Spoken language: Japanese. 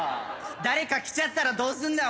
誰か来ちゃったらどうすんだよ？